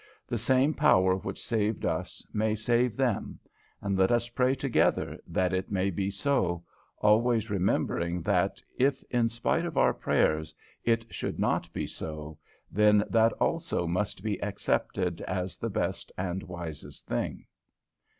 The same power which saved us may save them, and let us pray together that it may be so, always remembering that if, in spite of our prayers, it should not be so, then that also must be accepted as the best and wisest thing."